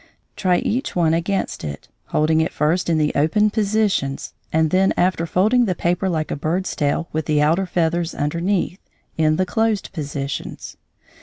Try each one against it, holding it first in the open positions and then after folding the paper like a bird's tail with the outer feathers underneath, in the closed positions.